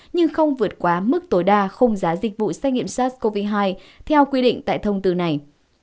nhưng không vượt quá mức tối đa khung giá dịch vụ xét nghiệm sars cov hai theo quy định tại thông tư này